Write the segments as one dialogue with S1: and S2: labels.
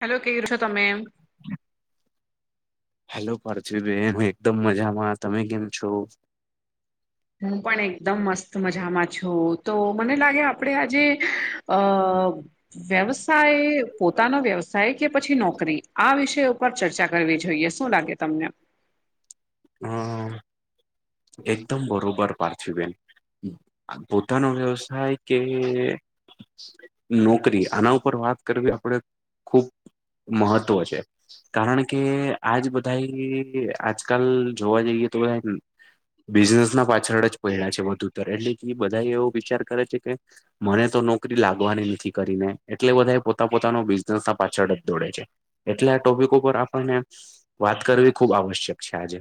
S1: Hello કેમ છો તમે?
S2: હેલો પાર્થ્િવબેન હું એકદમ મજામાં તમે કેમ છો?
S1: હું પણ એકદમ મસ્ત મજામાં છું તો મને લાગે આપણે આજે અ વ્યવસાય પોતાનો વ્યવસાય કે પછી નોકરી આ વિષય ઉપર ચર્ચા કરવી જોઈએ શું લાગે તમને?
S2: હા. એકદમ બરોબર પાર્થિબેન. પોતાનો વ્યવસાય કે નોકરી આના ઉપર વાત કરવી આપડે ખુબ મહત્વ છે. કારણ કે આજ બધા આજકાલ જોવા જઈએ તો બધા ને બિઝનેસ ના પાછળ જ પડ્યા છે વધુતર એટલે કે બધા એવો વિચાર કરે છે કે. મને તો નોકરી લાગવાની નથી કરીને એટલે બધા એ પોતા પોતાનો બિઝનેસ ના પાછળ જ દોડે છે. એટલા ટોપિક ઉપર આપણને વાત કરવી ખુબ આવશ્યક છે આજે.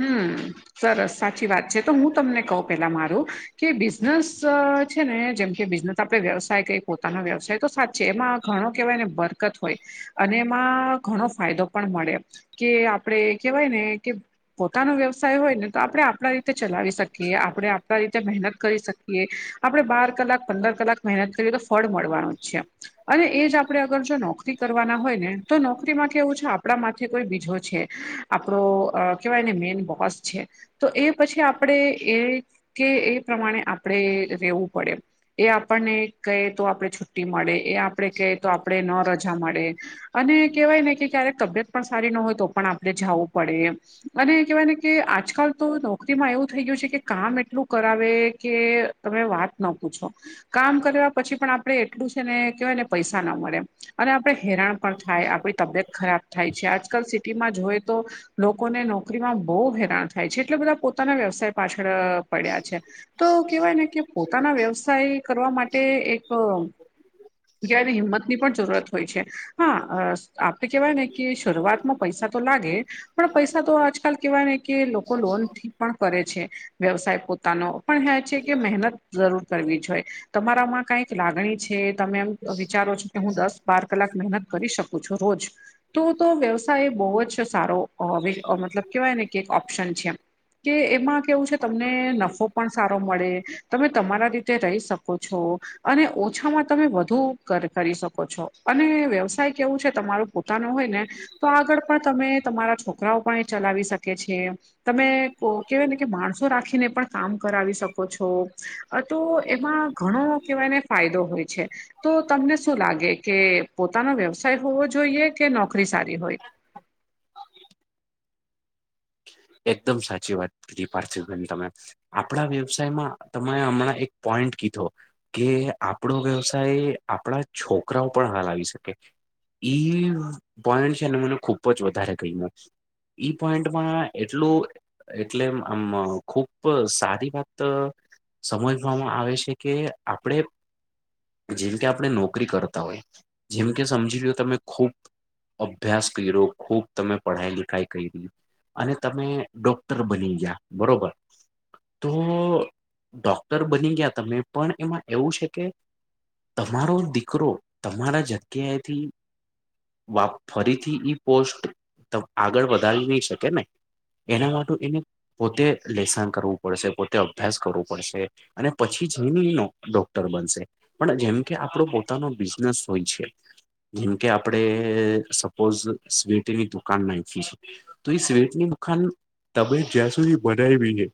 S1: હમ્મ સરસ સાચી વાત છે તો હું તમને કહ પેલા મારું. કે બિઝનેસ છે ને જેમ કે બિઝનેસ આપડે વ્યવસાય કે પોતાનો વ્યવસાય તો સાચ છે એમાં ઘણો કેહેવાય ને બરકત હોય. અને એમાં ઘણો ફાયદો પણ મળે કે આપડે કેહેવાય ને કે પોતાનો વ્યવસાય હોય ને તો આપડણે આપણા રીતે ચલાવી શકીએ આપણે આપણા રીતે મહેનત કરી શકીએ. આપડણે બાર કલાક પંદર કલાક મહેનત કરીએ તો ફળ મળવાનું છે. અને એ જ આપણે અગર જો નોકરી કરવાના હોય ને તો નોકરી માટેથી એવું છે આપણા માથે કોઈ બીજો છે. આપડો અ કેહેવાયને મેન બોસ છે. તો એ પછી આપણે એ કે એ પ્રમાણે આપણે રહેેવું પડે. એ આપણને કહે તો આપડે છુટ્ટી મળે, એ આપડે કહે તો આપડે ન રજ જા મળે, અને કવાય ને કે ક્યારેક તબિયત પણ સારી ન હોય તો પણ આપણે જવું પડે અને કેહેવાય ને કે આજકાલ તો નોકરીમાં એવું થઈ ગયું છે કે કામ એટલું કરાવે કે તમે વાત ના પૂછો, કામ કર્યા પછી પણ આપડે એટલું છે ને કહેવાય ને પૈસા ના મળે. અને આપડણે હેરાણ પણ થાય આપડી તબિયત ખરાબ થાય છે, આજકાલ સિટીમાં જોએ તો લોકોને નોકરીમાં બહુ હેરાન થાય છે, એટલે બધા પોતાના વ્યવસાય પાછળ પડ્યા છે, તો કેહેવાય ને કે પોતાના વ્યવસાય કરવા માટે એક કે આવી હિંમતની પણ જરૂરત હોય છે, હા અ આપડે કેવાય ને કે શરૂઆતમાં પૈસા તો લાગે, પણ પૈસા તો આજ કેવા ને કે લોકો લોન થી પણ કરે છે વ્યવસાય પોતાનો પણ હે છે કે મહેનત જરૂર કરવી જોયે તમારામાં કઈક લાગણી છે. તમે એમ વિચારો છો કે હું દસ બાર કલાક મહેનત કરી શકું છું રોજ તું તો વ્યવસાય બહુ જ સારો અવે અ મતલબ કેહેવાય ને કે એક ઓપ્શન છે એમ. કે એમાં કેવું છે તમને નફો પણ સારો મળે. તમે તમારા રીતે રહી શકો છો, અને ઓછામાં તમે વધુ. કર કરી શકો છો, અને વ્યવસાય કેવું છે તમારું પોતાનો હોય ને તો આગળ પણ તમે તમારા છોકરાઓ પણ એ ચલાવી શકે છે. તમે કો કેવાય ને કે, માણસો રાખીને પણ કામ કરાવી શકો છો. તો એમાં ઘણો કેહેવાયને ફાયદો હોય છે. તો તમને શું લાગે કે પોતાના વ્યવસાય હોવો જોઈએ? કે નોકરી સારી હોય?
S2: એકદમ સાચી વાત કીધી પાર્થિવી બેન તમે. આપણા વ્યવસાયમાં તમે હમણાં એક પોઈન્ટ કીધો. કે આપણો વ્યવસાય આપણા છોકરાઓ પણ હલાવી શકે. ઈ પોઈન્ટ છે ને મને ખુબ જ વધારે ગમીયો ઈ પોઈન્ટમાં. એટલું એટલે આમ ખુબ સારી વાત. સમજવામાં આવે છે કે આપડે જેમકે આપણે નોકરી કરતા હોય જેમ કે સમજી લો તમે ખૂબ અભ્યાસ કર્યો ખુબ તમે પઢાઈ લિખાઈ કઇરી અને તમે ડોક્ટર બની ગયા બરોબર. તો ડોક્ટર બની ગયા તમે પણ એમાં એવું છે કે. તમારો દીકરો તમારા જગ્યાએથી વા ફરીથી ઈ પોસ્ટ ત આગળ વધારી નહી શકે ને. એના માટે એને પોતે લેસન કરવું પડશે, પોતે અભ્યાસ કરવું પડશે. અને પછી જઇને એ નો ડોક્ટર બનશે. પણ જેમકે આપણો પોતાનો બિઝનેસ હોય છે. જેમકે આપડે સપોઝ સ્વીટની દુકાન નાઇખી છે, તો એ સ્વીટ ની દુખાન તમે જ્યાં સુધી બનાવી છે.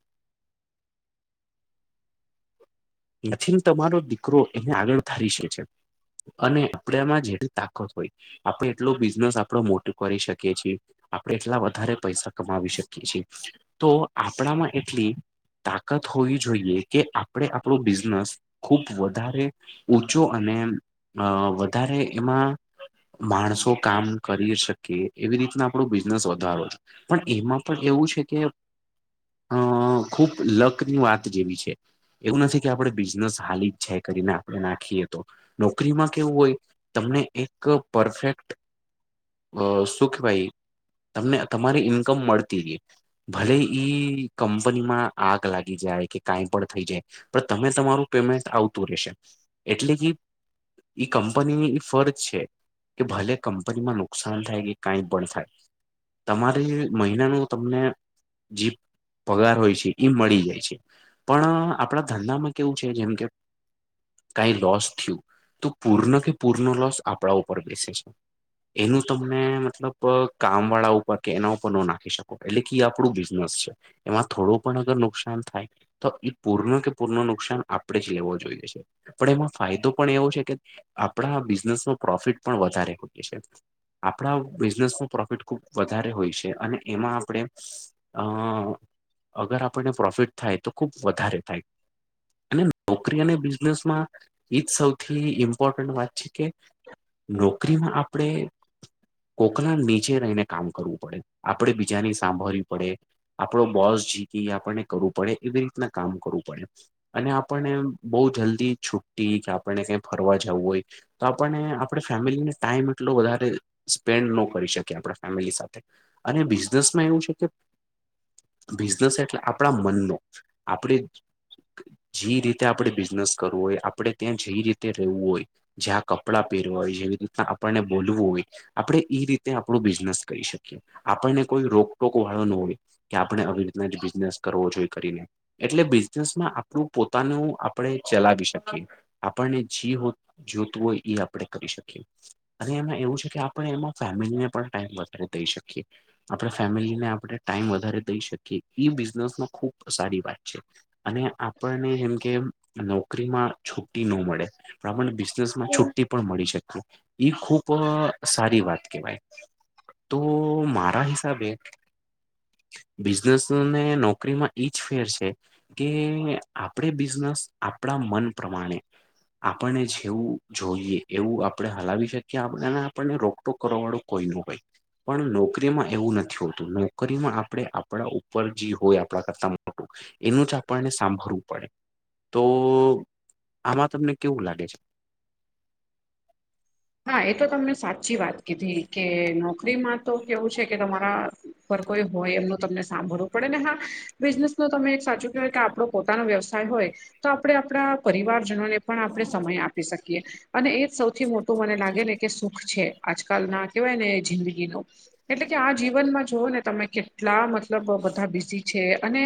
S2: નથીન તમારો દીકરો એને આગળ વધારી શે છે. અને આપડમાં જેટલી તાકત હોય, આપડે એટલો બિઝનેસ આપડો મોટો કરી શકીએ છીએ. આપણે એટલા વધારે પૈસા કમાવી શકીએ છીએ, તો આપણામાં એટલી તાકત હોવી જોઈએ, કે આપણે આપણું બિઝનેસ ખુબ વધારે ઉચો અને અ વધારે એમાં. માણસો કામ કરી શકે એવી રીતના આપણું બિઝનેસ વધારો છે. પણ એમાં પણ એવું છે કે. અ ખુબ લકની વાત જેવી છે. એવું નથી કે આપણેે બિઝનેસ હાલીજ જાય કરીને આપણે નાખીએ તો, નોકરીમાં કેવું હોય. તમને એક પરફેક્ટ અ સુ કેવાય. તમને તમારી ઇન્કમ મળતીખ ભલે ઈ કંપનીમાં આગ લાગી જાય કે કાંઈ પણ થઈ જાય. પણ તમે તમારું પેમેન્ટ આવતું રહેેશે એટલે કે ઈ કંપનીની એ ફરજ છે. કે ભલે કંપનીમાં નુકસાન થાય કે કંઈ પણ થાય. તમારી મહિનાનું તમને જે પગાર હોય છે એ મળી જાય છે પણ આપણા ધંધનામાં કેવું છે જેમ કે કઈ લોસ થયું તો પૂર્ણ કે પૂરનો લોસ આપણા ઉપર બેસે છે. એનું તમને મતલબ કામ વાળા ઉપર કે એના ઉપર ન નાખી શકો એટલે કે આપણું બિઝનેસ છે. એમાં થોડું પણ અગર નુકસાન થાય તો પૂરનો કે પૂર ન નુકસાન આપણેે જ લેવો જોઈએ છ છે. પણ એમાં ફાયદો પણ એવો છે કે આપણા બિઝનેસમાં પ્રોફિટ પણ વધારે હોઈએ છે. આપણા બિઝનેસમાં પ્રોફિટ ખુબ વધારે હોય છે અને એમાં આપણે અ અગર આપણને પ્રોફિટ થાય તો ખુબ વધારે થાય. અને નોકરી અને બિઝનેસ માં એજ સૌથી ઇમ્પોર્ટન્ટ વાત છે કે નોકરીમાં આપણેે કોકના નીચે રહીને કામ કરવું પડે આપડણે બીજાની સાંભળવી પડે. આપડો બોસ જીતી આપણને કરવું પડે એવી રીતના કામ કરવું પડે. અને આપણને બહુ જલ્દી છુટી કે આપણને ક ફરવા જવું હોય. તો આપણને આપણે ફેમિલીને ટાઈમ એટલો વધારે સ્પેન્ડ ન કરી શકીએ આપ ફેમિલી સાથે અને બિઝનેસમાં એવું છે કે બિઝનેસ એટલે આપણા મનનો આપણે જે રીતે આપણે બિઝનેસ કરવું હોય આપણે ત્યાં જે રીતે રહેવું હોય. જ્યાં કપડાં પહેરવા હોય જેવી રીતના આપણને બોલવું હોય. આપડણે એઈ રીતે આપણું બિઝનેસ કરી શકીએ. આપણને કોઈ રોકટોક વાળો ન હોય કે આપણે આવી રીતના જ બિઝનેસ કરવો જોએ કરીને એટલે બિઝનેસમાં આપણું પોતાનું આપણે ચલાવી શકીએ. આપણને જે જોતું હોય એ આપણે કરી શકીએ. અને એમાં એવું છે કે આપણે એમાં ફેમિલીને પણ ટાઈમ વધારે દઈ શકીએ. આપણે ફેમિલીને આપણે ટાઈમ વધારે દઈ શકીએ એ બિઝનેસમાં ખુબ સારી વાત છે અને આપણને જેમ કે નોકરીમાં છુ્ટી ન મળે પણ આપને બિઝનેસ માં છુટ્ટી પણ મળી શકે ઈ ખુબ સારી વાત કેહેવાય. તો મારા હિસાબે બિઝનેસ અને નોકરીમાં ઈજ ફેર છે. કે આપણે બિઝનેસ આપણા મન પ્રમાણે આપણને જેવું જોઈએ એવું આપણે હલાવી શકીએ આપ આપણને રો તો કરવા વાળું કોઈ ન ભાઈ પણ નોકરીમાં એવું નથી હોતું નોકરીમાં આપણે આપણા ઉપર જે હોય આપણા કરતા એનું જ આપણને સાંભળવું પડે. તો આમાં તમને કેવું લાગે છે.
S1: હા એ તો તમને સાચી વાત કીધી કે નોકરીમાં તો કેવું છે કે તમારા કોઈ હોય એમનું તમને સાંભળવું પડે ને હા બિઝનેસ ન તમે એક સાચું કેવાય કે આપડો પોતાનો વ્યવસાય હોય તો આપણે આપણા પરિવારજનોને પણ આપણે સમય આપી શકીએ અને એ સૌથી મોટો તો મને લાગે ને કે સુખ છે આજકાલ ના કેવાય ને જિંદગીનો. એટલે કે આ જીવનમાં જોુઓ ને તમે કેટલા મતલબ બધા બિઝ છે અને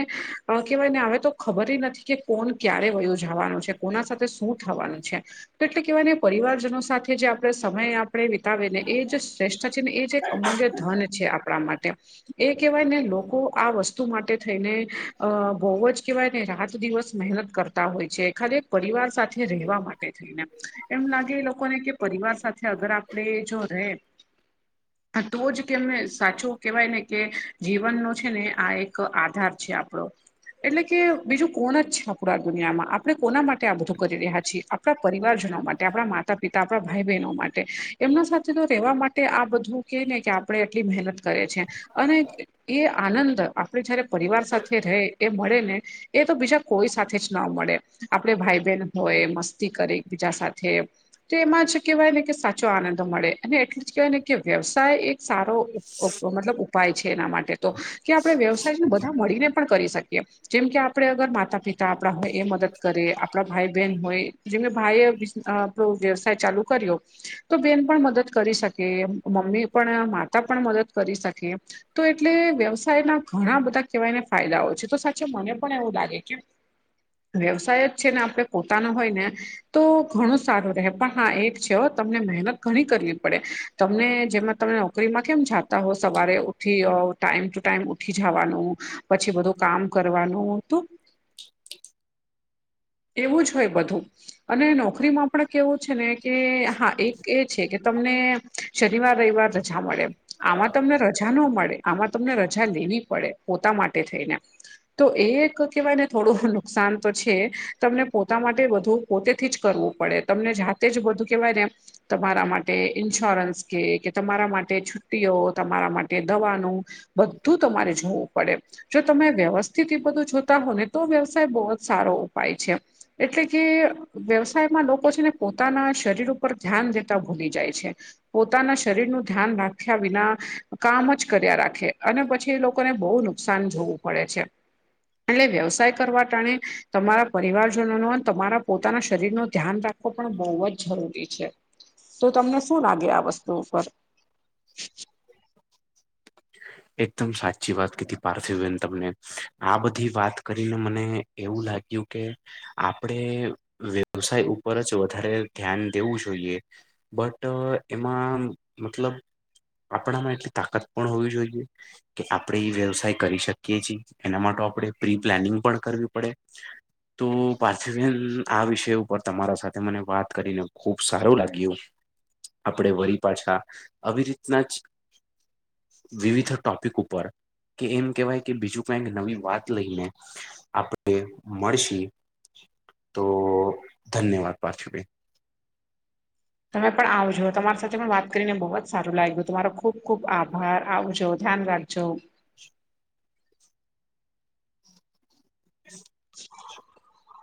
S1: કહેવાય ને હવે તો ખબર નથી કે કોણ ક્યારે વયો જવાનું છે કોના સાથે શું થવાનું છે. એટલે કેવા પરિવારજનો સાથે કે જે આપણે સમય આપણે વિતાવે ને એ જે શ્રેષ્ઠ છે ને એ જે એક અમૂલ્ય ધન છે. આપણા માટે. એ કેહેવાય ને લોકો આ વસ્તુ માટે થઈને, અ બહુ જ કેહેવાય ને રાત દિવસ મહેનત કરતા હોય છે. ખા પરિવાર સાથે રહેવા માટે થઈને એમ લાગે એ લોકોને પરિવાર સાથે અગર આપડે જો રે હા, તો જ કેમને સાચું કેહેવાય ને કે જીવનનો છે ને આ એક આધાર છે. આપણો એટલે કે બીજું કોણ જ છે, આપુરા દુનિયામાં આપણે કોના માટે આ બધું કરી રહ્યા છીએ. આપ પરિવારજનો માટે આપણા માતા પિતા આપ ભાઈ બહેનો માટે એમના સાથે તો રહેવા માટે આ બધું કે ને કે આપણે એટલી મહેનત કરે છે અને એ આનંદ આપણે જયારે પરિવાર સાથે રહે એ મળે ને એ તો બીજા કોઈ સાથે જ ના મળે આપણે ભાઈ બહેન હોય, મસ્તી કરી બીજા સાથે તો એમાં જ કેહેવાય ને કે સાચો આનંદ મળે અને એટલું જ કેહેવાય, ને કે વ્યવસાય એક સારો મતલબ ઉપાય છે. એના માટે તો કે આપણે વ્યવસાયને બધા મળીને પણ કરી શકીએ. જેમ કે આપણે અગર માતા પિતા આપણા હોય, એ મદદ કરે આપણા ભાઈ બહેન હોય જે ભાઈએ આપો વ્યવસાય ચાલુ કર્યો તો બેન પણ મદદ કરી શકે મમ્મી પણ માતા પણ મદદ કરી શકે તો એટલે વ્યવસાયના ઘણા બધા કહેવાયને ફાયદાઓ છે. તો સાચો મને પણ એવું લાગે કે વ્યવસાય જ છેને, આપણે પોતાનો હોય ને તો ઘણું સારું રહે. પણ હા, એક છે. તમને મહેનત ઘણી કરવી પડે તમને જેમાં તમે નોકરીમાં કેમ સવારે ઉઠી ટાઈમ ટુ, ટાઈમ ઉઠી જવાનું પછી બધું કામ કરવાનું એવું જ હોય બધું અને નોકરીમાં પણ કેવું છેને કે હા એક એ છે, કે તમને શનિવાર રવિવાર રજા મળે. આમાં તમને રજા ન મળે આમાં તમને રજા લેવી પડે પોતા માટે થઈને. તો એ એક કેહેવાય ને થોડું નુકસાન તો છે, તમને પોતા માટે બધું પોતેથી જ કરવું પડે તમને જાતે જ બધું કેવાય ને એમ તમારા માટે ઇન્સ્યોરન્સ કે કે તમારા માટે છુટ્ટીઓ, તમારા માટે દવાનું બધું તમારે જોવું પડે. જો તમે વ્યવસ્થિત એ બધું જોતા હો, ને તો વ્યવસાય બહુ જ સારો ઉપાય છે. એટલે કે વ્યવસાયમાં લોકો છેને, પોતાના શરીર ઉપર ધ્યાન દેતા ભૂલી જાય છે. પોતાના શરીરનું ધ્યાન રાખ્યા વિના કામ જ કર્યા રાખે અને પછી, એ લોકોને બહુ નુકસાન જોવું પડે છે. એટલે વ્યવસાય કરવા ટાણે તમારા પરિવારજનો ન તમારા પોતાના શરીર નો ધ્યાન પણ બહુ જ જરૂરી છે. તો તમને શું લાગે આ વસ્તુ ઉપર
S2: એકદમ સાચી વાત કીધી પાર્થવીબેન તમને આ બધી વાત કરીને મને એવું લાગ્યું કે આપણેે વ્યવસાય ઉપર જ વધારે ધ્યાન દેવું જોઈએ. બટ એમાં મતલબ આપણામાં એટલી તાકા કોણ હોવી જોઈએ કે આપણે એ વ્યવસાય કરી શકીએ છીએ, એના માટે આપણે પ્રી પ્લાનિંગ પણ કરવી પડે તો પાર્થિવબેન આ વિષય ઉપર તમારા સાથે મને વાત કરીને ખુબ સારું લાગ્યું. આપણેે વળી પાછા આવી રીતના જ વિવિધ ટોપિક ઉપર કે એમ કેહેવાય કે બીજું કઈક નવી વાત લઈને આપણે, મળશ તો ધન્યવાદ પાર્થિવ
S1: તમે પણ આવજો તમારી સાથે પણ વાત કરીને બહુ જ સારું લાગ્યું, તમારો ખુબ ખુબ આભાર આવજો. ધ્યાન રાખજો
S2: [inaudible]
S1: [inaudible]